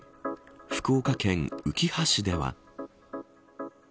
福岡県うきは市では。